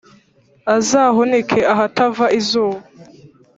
Azahunike ahatava izuba !